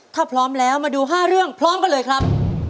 ถ้าพร้อมแล้วมาดู๕เรื่องพร้อมกันเลยครับ